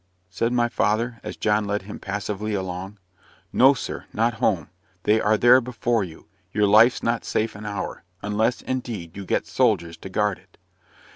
said my father, as John led him passively along. "No, sir, not home: they are there before you. Your life's not safe an hour unless, indeed, you get soldiers to guard it."